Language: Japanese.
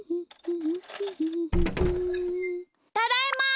ただいま！